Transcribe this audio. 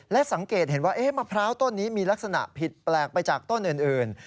และสังเกตเห็นว่ามะพร้าวต้นนี้มีลักษณะผิดแปลกไปจากต้นอื่น